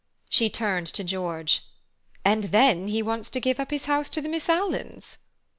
She turned to George: "And then he wants to give up his house to the Miss Alans."